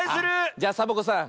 じゃサボ子さん